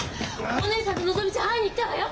お義姉さんとのぞみちゃん会いに行ったわよ。